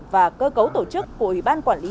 và cơ cấu tổ chức của ủy ban quản lý